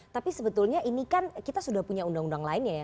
tapi sebetulnya ini kan kita sudah punya undang undang lainnya ya